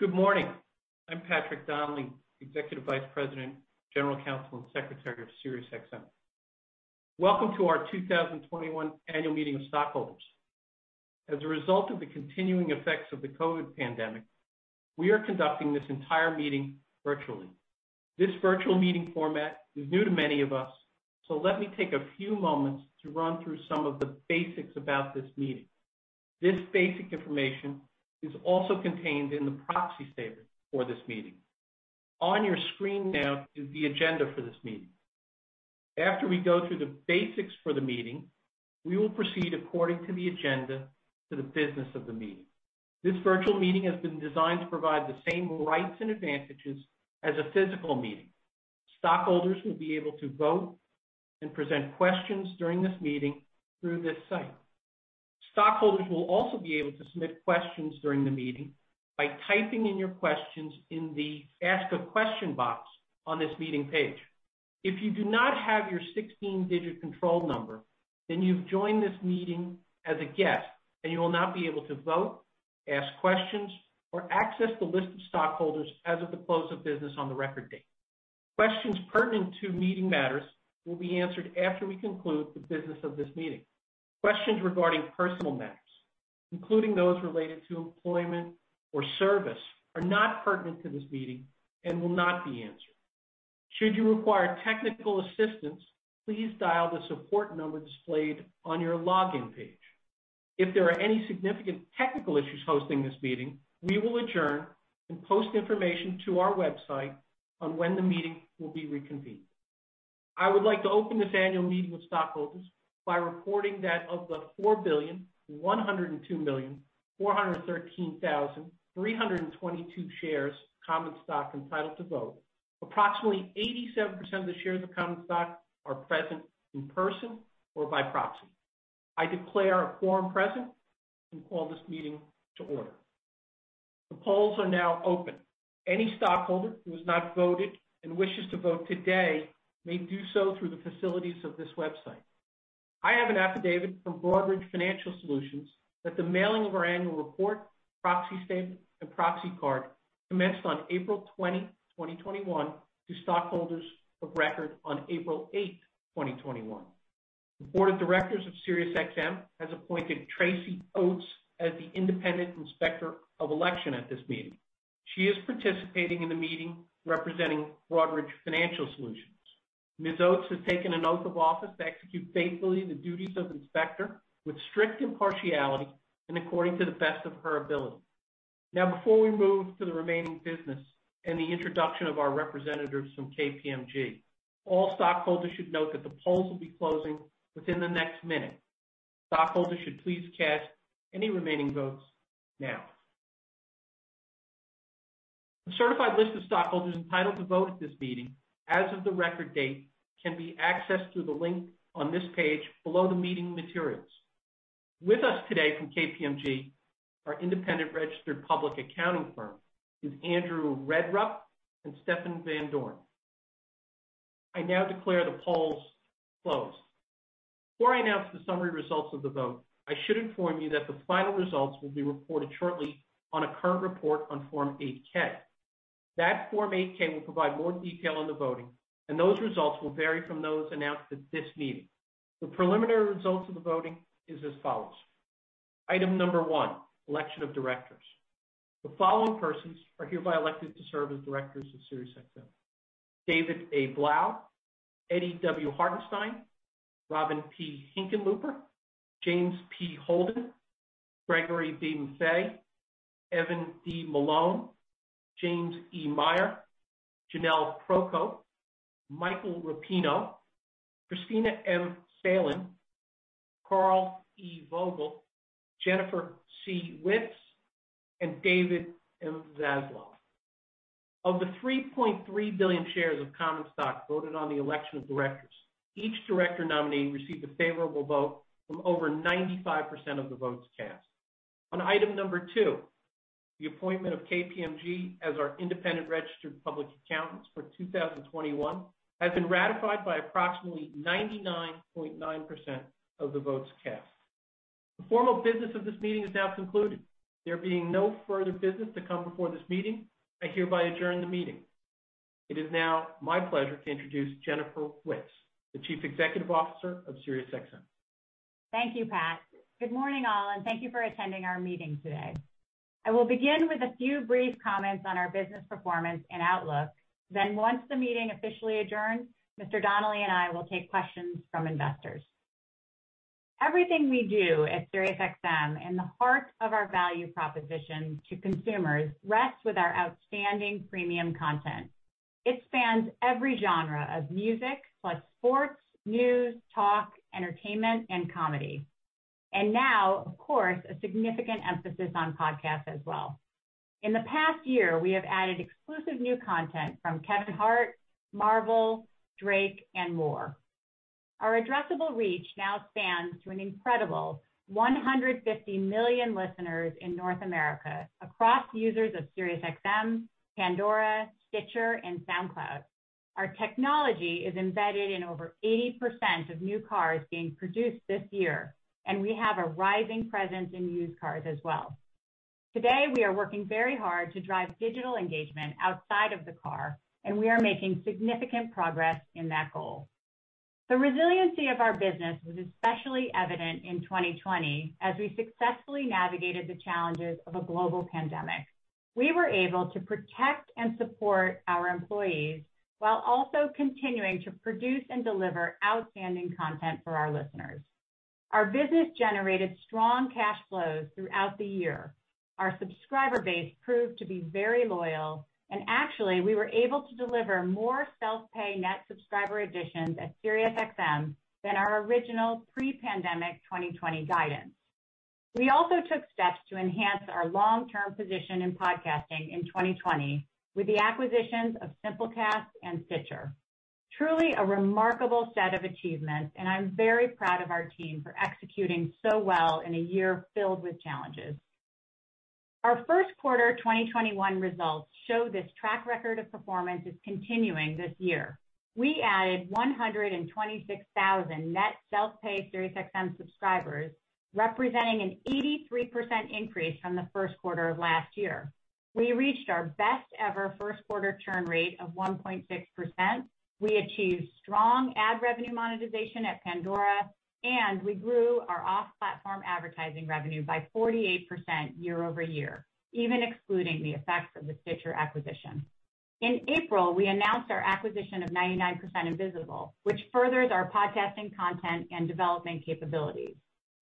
Good morning. I'm Patrick Donnelly, Executive Vice President, General Counsel, and Secretary of Sirius XM. Welcome to our 2021 annual meeting of stockholders. As a result of the continuing effects of the COVID pandemic, we are conducting this entire meeting virtually. This virtual meeting format is new to many of us, so let me take a few moments to run through some of the basics about this meeting. This basic information is also contained in the proxy statement for this meeting. On your screen now is the agenda for this meeting. After we go through the basics for the meeting, we will proceed according to the agenda to the business of the meeting. This virtual meeting has been designed to provide the same rights and advantages as a physical meeting. Stockholders will be able to vote and present questions during this meeting through this site. Stockholders will also be able to submit questions during the meeting by typing in your questions in the Ask a Question box on this meeting page. If you do not have your 16-digit control number, then you've joined this meeting as a guest, and you will not be able to vote, ask questions, or access the list of stockholders as of the close of business on the record date. Questions pertinent to meeting matters will be answered after we conclude the business of this meeting. Questions regarding personal matters, including those related to employment or service, are not pertinent to this meeting and will not be answered. Should you require technical assistance, please dial the support number displayed on your login page. If there are any significant technical issues hosting this meeting, we will adjourn and post information to our website on when the meeting will be reconvened. I would like to open this annual meeting with stockholders by reporting that of the 4,102,413,322 shares of common stock entitled to vote, approximately 87% of the shares of common stock are present in person or by proxy. I declare a quorum present and call this meeting to order. The polls are now open. Any stockholder who has not voted and wishes to vote today may do so through the facilities of this website. I have an affidavit from Broadridge Financial Solutions that the mailing of our annual report, proxy statement, and proxy card commenced on April 20, 2021 to stockholders of record on April 8, 2021. The Board of Directors of Sirius XM has appointed Tracy Oates as the Independent Inspector of Election at this meeting. She is participating in the meeting representing Broadridge Financial Solutions. Ms. Oates has taken an oath of office to execute faithfully the duties of Inspector with strict impartiality and according to the best of her ability. Before we move to the remaining business and the introduction of our representatives from KPMG, all stockholders should note that the polls will be closing within the next minute. Stockholders should please cast any remaining votes now. The certified list of stockholders entitled to vote at this meeting as of the record date can be accessed through the link on this page below the meeting materials. With us today from KPMG, our independent registered public accounting firm, is Andrew Redrup and Stephen Van Dorn. I now declare the polls closed. Before I announce the summary results of the vote, I should inform you that the final results will be reported shortly on a current report on Form 8-K. That Form 8-K will provide more detail on the voting, and those results will vary from those announced at this meeting. The preliminary results of the voting is as follows. Item number one, election of directors. The following persons are hereby elected to serve as directors of Sirius XM: David A. Blau, Eddy W. Hartenstein, Robin P. Hickenlooper, James P. Holden, Gregory B. Maffei, Evan D. Malone, James E. Meyer, Jonelle Procope, Michael Rapino, Kristina M. Salen, Carl E. Vogel, Jennifer C. Witz, and David M. Zaslav. Of the 3.3 billion shares of common stock voted on the election of directors, each director nominee received a favorable vote from over 95% of the votes cast. On item number two, the appointment of KPMG as our independent registered public accountants for 2021 has been ratified by approximately 99.9% of the votes cast. The formal business of this meeting is now concluded. There being no further business to come before this meeting, I hereby adjourn the meeting. It is now my pleasure to introduce Jennifer C. Witz, the Chief Executive Officer of Sirius XM. Thank you, Pat. Good morning, all, and thank you for attending our meeting today. I will begin with a few brief comments on our business performance and outlook. Once the meeting officially adjourns, Mr. Donnelly and I will take questions from investors. Everything we do at Sirius XM and the heart of our value proposition to consumers rests with our outstanding premium content. It spans every genre of music plus sports, news, talk, entertainment, and comedy. And now, of course, a significant emphasis on podcasts as well. In the past year, we have added exclusive new content from Kevin Hart, Marvel, Drake, and more. Our addressable reach now spans to an incredible 150 million listeners in North America across users of Sirius XM, Pandora, Stitcher, and SoundCloud. Our technology is embedded in over 80% of new cars being produced this year, and we have a rising presence in used cars as well. Today, we are working very hard to drive digital engagement outside of the car, we are making significant progress in that goal. The resiliency of our business was especially evident in 2020 as we successfully navigated the challenges of a global pandemic. We were able to protect and support our employees while also continuing to produce and deliver outstanding content for our listeners. Our business generated strong cash flows throughout the year. Our subscriber base proved to be very loyal, actually, we were able to deliver more self-pay net subscriber additions at Sirius XM than our original pre-pandemic 2020 guidance. We also took steps to enhance our long-term position in podcasting in 2020 with the acquisitions of Simplecast and Stitcher. Truly a remarkable set of achievements, and I'm very proud of our team for executing so well in a year filled with challenges. Our first quarter 2021 results show this track record of performance is continuing this year. We added 126,000 net self-pay Sirius XM subscribers, representing an 83% increase from the first quarter of last year. We reached our best-ever first-quarter churn rate of 1.6%. We achieved strong ad revenue monetization at Pandora, and we grew our off-platform advertising revenue by 48% year-over-year, even excluding the effect of the Stitcher acquisition. In April, we announced our acquisition of 99% Invisible, which furthers our podcasting content and developing capabilities.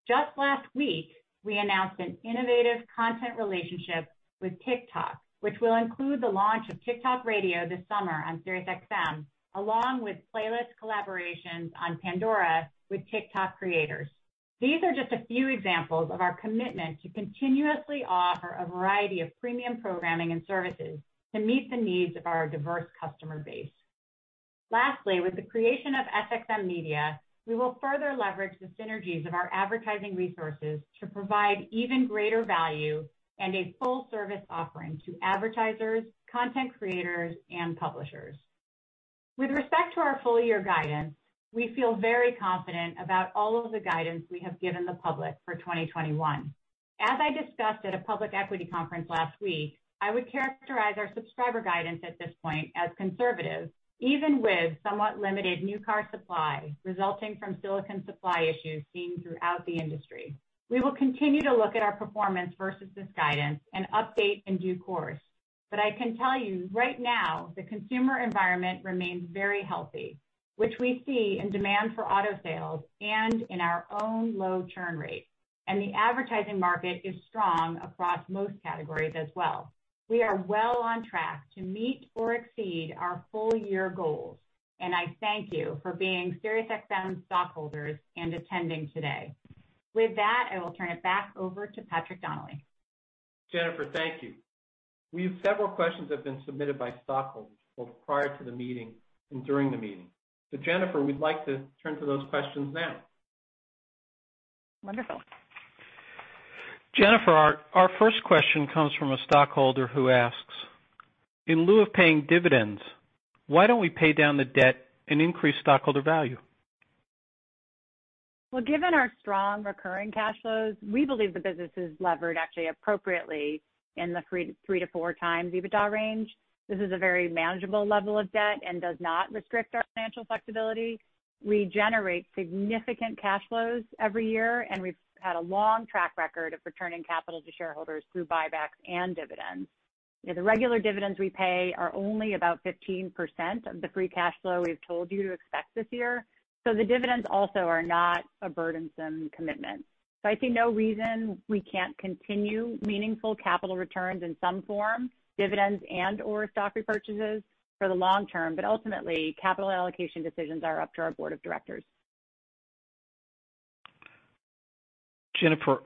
Just last week, we announced an innovative content relationship with TikTok, which will include the launch of TikTok Radio this summer on Sirius XM, along with playlist collaborations on Pandora with TikTok creators. These are just a few examples of our commitment to continuously offer a variety of premium programming and services to meet the needs of our diverse customer base. Lastly, with the creation of Sirius XM Media, we will further leverage the synergies of our advertising resources to provide even greater value and a full-service offering to advertisers, content creators, and publishers. With respect to our full-year guidance, we feel very confident about all of the guidance we have given the public for 2021. As I discussed at a public equity conference last week, I would characterize our subscriber guidance at this point as conservative, even with somewhat limited new car supply resulting from silicon supply issues seen throughout the industry. We will continue to look at our performance versus this guidance and update in due course. I can tell you right now, the consumer environment remains very healthy, which we see in demand for auto sales and in our own low churn rates. The advertising market is strong across most categories as well. We are well on track to meet or exceed our full-year goals, and I thank you for being Sirius XM stockholders and attending today. With that, I will turn it back over to Patrick Donnelly. Jennifer, thank you. We have several questions that have been submitted by stockholders, both prior to the meeting and during the meeting. Jennifer, we'd like to turn to those questions now. Wonderful. Jennifer, our first question comes from a stockholder who asks, "In lieu of paying dividends, why don't we pay down the debt and increase stockholder value? Well, given our strong recurring cash flows, we believe the business is leveraged actually appropriately in the three to four times EBITDA range. This is a very manageable level of debt and does not restrict our financial flexibility. We generate significant cash flows every year, and we've had a long track record of returning capital to shareholders through buybacks and dividends. The regular dividends we pay are only about 15% of the free cash flow we've told you to expect this year. The dividends also are not a burdensome commitment. I see no reason we can't continue meaningful capital returns in some form, dividends and/or stock repurchases for the long term, but ultimately, capital allocation decisions are up to our board of directors. Jennifer,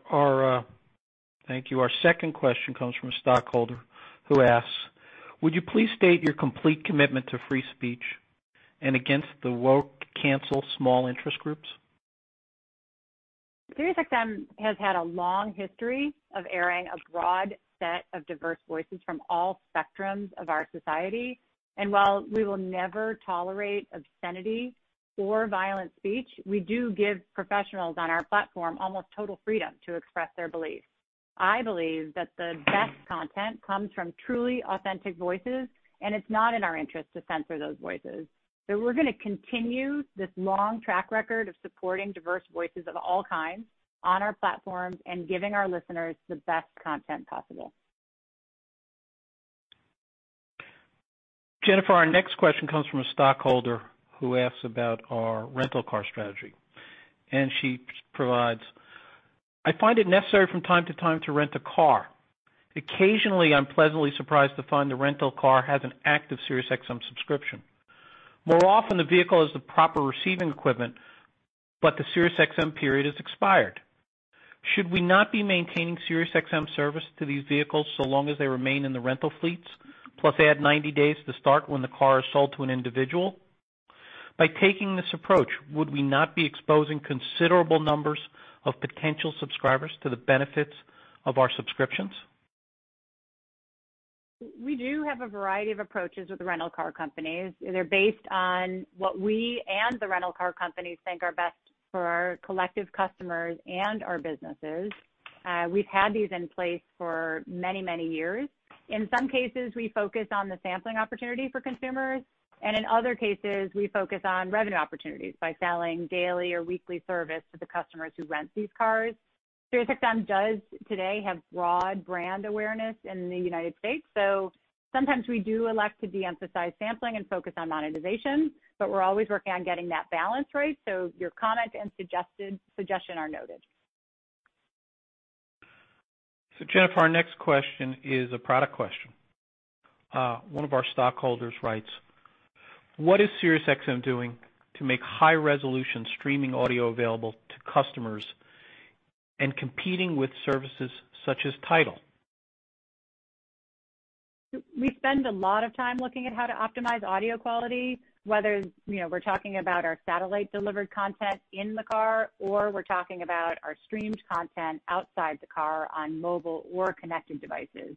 thank you. Our second question comes from a stockholder who asks, "Would you please state your complete commitment to free speech and against the woke cancel small interest groups? Sirius XM has had a long history of airing a broad set of diverse voices from all spectrums of our society. While we will never tolerate obscenity or violent speech, we do give professionals on our platform almost total freedom to express their beliefs. I believe that the best content comes from truly authentic voices, and it's not in our interest to censor those voices. We're going to continue this long track record of supporting diverse voices of all kinds on our platforms and giving our listeners the best content possible. Jennifer, our next question comes from a stockholder who asks about our rental car strategy, and she provides, "I find it necessary from time to time to rent a car. Occasionally, I'm pleasantly surprised to find the rental car has an active Sirius XM subscription. More often, the vehicle has the proper receiving equipment, but the Sirius XM period is expired. Should we not be maintaining Sirius XM service to these vehicles so long as they remain in the rental fleets, plus add 90 days to start when the car is sold to an individual? By taking this approach, would we not be exposing considerable numbers of potential subscribers to the benefits of our subscriptions? We do have a variety of approaches with rental car companies. They're based on what we and the rental car companies think are best for our collective customers and our businesses. We've had these in place for many, many years. In some cases, we focus on the sampling opportunity for consumers, and in other cases, we focus on revenue opportunities by selling daily or weekly service to the customers who rent these cars. Sirius XM does today have broad brand awareness in the United States. Sometimes we do elect to de-emphasize sampling and focus on monetization. We're always working on getting that balance right. Your comment and suggestion are noted. Jennifer, our next question is a product question. One of our stockholders writes, "What is Sirius XM doing to make high-resolution streaming audio available to customers and competing with services such as Tidal? We spend a lot of time looking at how to optimize audio quality, whether we're talking about our satellite-delivered content in the car or we're talking about our streamed content outside the car on mobile or connected devices.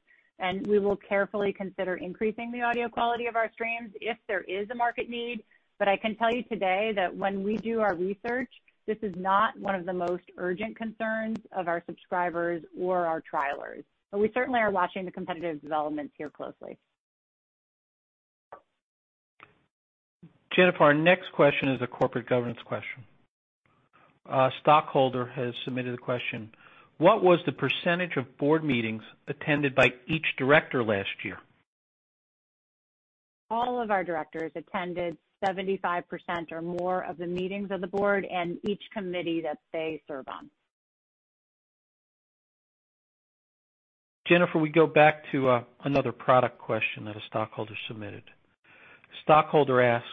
We will carefully consider increasing the audio quality of our streams if there is a market need. I can tell you today that when we do our research, this is not one of the most urgent concerns of our subscribers or our trialers. We certainly are watching the competitive development here closely. Jennifer, our next question is a corporate governance question. A stockholder has submitted a question. "What was the percentage of board meetings attended by each director last year? All of our directors attended 75% or more of the meetings of the board and each committee that they serve on. Jennifer, we go back to another product question that a stockholder submitted. Stockholder asks,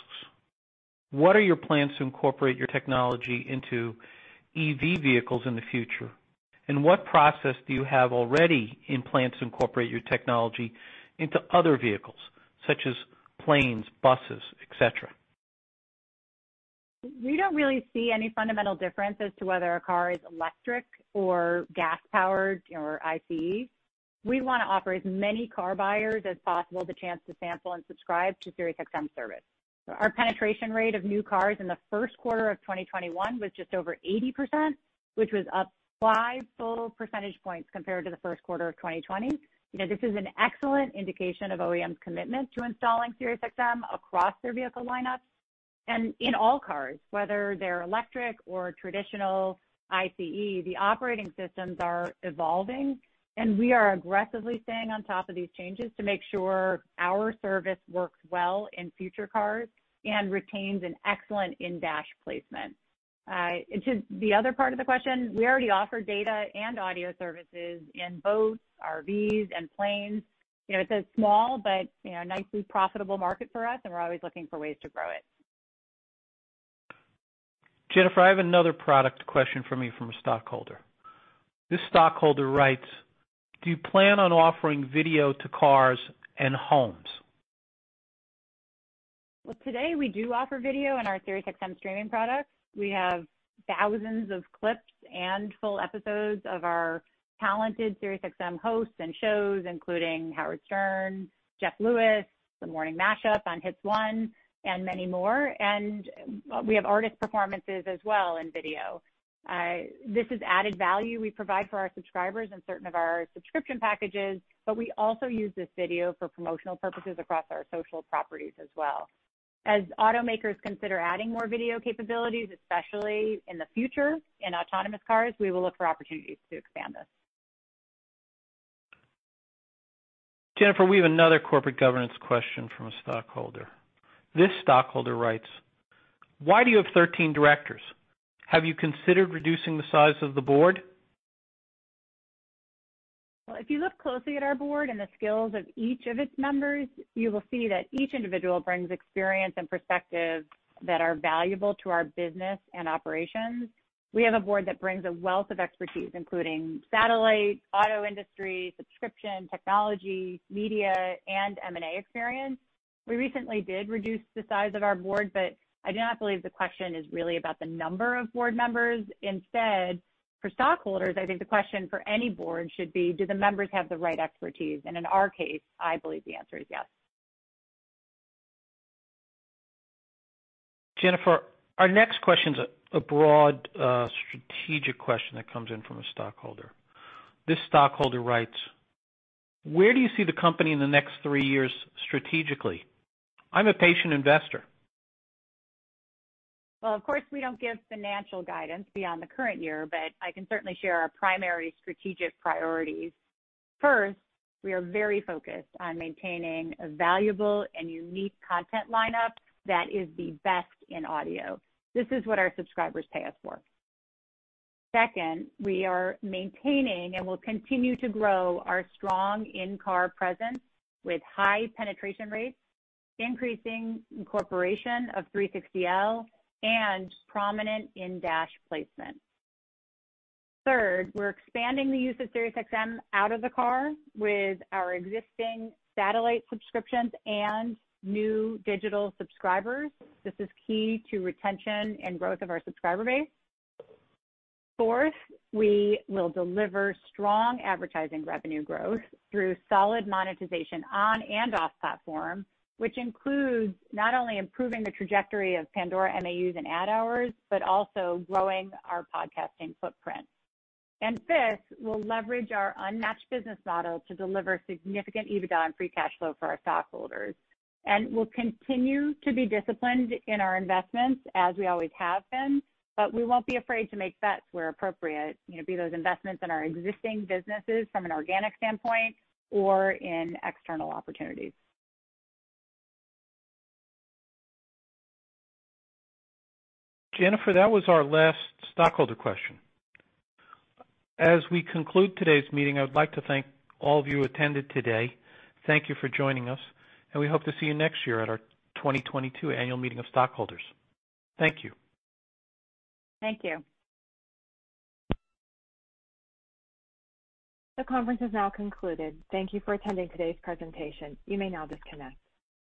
"What are your plans to incorporate your technology into EV vehicles in the future? What process do you have already in plans to incorporate your technology into other vehicles, such as planes, buses, et cetera? We don't really see any fundamental difference as to whether a car is electric or gas-powered or ICE. We want to offer as many car buyers as possible the chance to sample and subscribe to Sirius XM service. Our penetration rate of new cars in the first quarter of 2021 was just over 80%, which was up five full percentage points compared to the first quarter of 2020. This is an excellent indication of OEM commitment to installing Sirius XM across their vehicle lineups and in all cars, whether they're electric or traditional ICE. The operating systems are evolving, and we are aggressively staying on top of these changes to make sure our service works well in future cars and retains an excellent in-dash placement. To the other part of the question, we already offer data and audio services in boats, RVs, and planes. It's a small but nicely profitable market for us, and we're always looking for ways to grow it. Jennifer, I have another product question for me from a stockholder. This stockholder writes, "Do you plan on offering video to cars and homes? Well, today, we do offer video in our Sirius XM streaming products. We have thousands of clips and full episodes of our talented Sirius XM hosts and shows, including Howard Stern, Jeff Lewis, "The Morning Mash Up" on Hits 1, and many more. We have artist performances as well in video. This is added value we provide for our subscribers in certain of our subscription packages, but we also use this video for promotional purposes across our social properties as well. As automakers consider adding more video capabilities, especially in the future in autonomous cars, we will look for opportunities to expand this. Jennifer, we have another corporate governance question from a stockholder. This stockholder writes, "Why do you have 13 directors? Have you considered reducing the size of the board? Well, if you look closely at our board and the skills of each of its members, you will see that each individual brings experience and perspectives that are valuable to our business and operations. We have a board that brings a wealth of expertise, including satellite, auto industry, subscription, technology, media, and M&A experience. We recently did reduce the size of our board, but I do not believe the question is really about the number of board members. Instead, for stockholders, I think the question for any board should be, do the members have the right expertise? In our case, I believe the answer is yes. Jennifer, our next question's a broad strategic question that comes in from a stockholder. This stockholder writes, "Where do you see the company in the next three years strategically? I'm a patient investor. Well, of course, we don't give financial guidance beyond the current year, but I can certainly share our primary strategic priorities. First, we are very focused on maintaining a valuable and unique content lineup that is the best in audio. This is what our subscribers pay us for. Second, we are maintaining and will continue to grow our strong in-car presence with high penetration rates, increasing incorporation of 360L, and prominent in-dash placement. Third, we're expanding the use of Sirius XM out of the car with our existing satellite subscriptions and new digital subscribers. This is key to retention and growth of our subscriber base. Fourth, we will deliver strong advertising revenue growth through solid monetization on and off platform, which includes not only improving the trajectory of Pandora MAUs and ad hours, but also growing our podcasting footprint. Fifth, we'll leverage our unmatched business model to deliver significant EBITDA and free cash flow for our stockholders. We'll continue to be disciplined in our investments as we always have been, but we won't be afraid to make bets where appropriate. Be those investments in our existing businesses from an organic standpoint or in external opportunities. Jennifer, that was our last stockholder question. As we conclude today's meeting, I'd like to thank all of you attended today. Thank you for joining us, and we hope to see you next year at our 2022 annual meeting of stockholders. Thank you. Thank you. The conference is now concluded. Thank you for attending today's presentation. You may now disconnect.